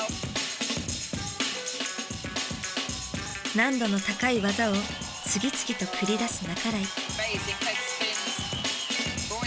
難度の高い技を次々と繰り出す半井。